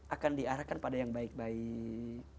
akan diarahkan pada yang baik baik